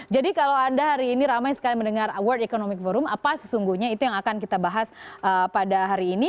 jadi kalau anda hari ini ramai sekali mendengar world economic forum apa sesungguhnya itu yang akan kita bahas pada hari ini